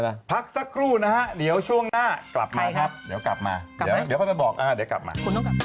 นะพักสักรู่นะเดี๋ยวช่วงหน้ากลับมาครับเดี๋ยวกลับมาเขาจะบอกเดี๋ยวกลับมา